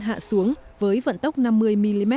hạ xuống với vận tốc năm mươi mm